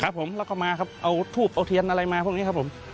ครับผมแล้วก็มาครับเอาทูบเอาเทียนอะไรมาพวกนี้ครับผม